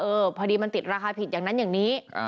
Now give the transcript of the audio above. พอดีมันติดราคาผิดอย่างนั้นอย่างนี้